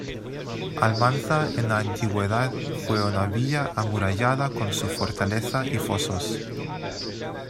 Almanza en la antigüedad fue una villa amurallada con su fortaleza y fosos.